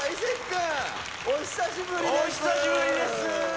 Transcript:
君お久しぶりです